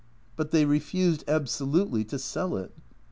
But they refused absolutely to sell it.